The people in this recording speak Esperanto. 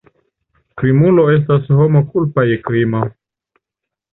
Krimulo estas homo kulpa je krimo.